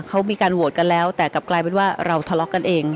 เขามีการโหวตกันแล้วแต่กลับกลายเป็นว่าเราทะเลาะกันเอง